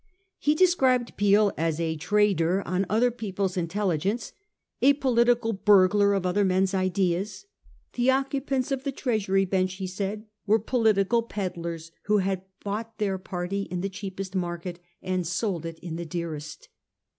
He described Peel as 'a trader on other people's in telligence ; a political burglar of other men's ideas.' 'The occupants of the Treasury bench,' he said, were 'political pedlars, who had bought their party in the cheapest market and sold it in the dearest.